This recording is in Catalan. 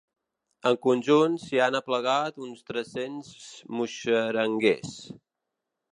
En conjunt s’hi han aplegat uns tres-cents muixeranguers.